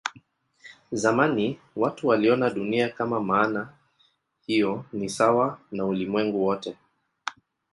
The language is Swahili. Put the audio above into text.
Zamani watu waliona Dunia kwa maana hiyo ni sawa na ulimwengu wote.